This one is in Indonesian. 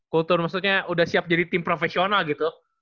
kultur maksudnya udah siap jadi tim profesional gitu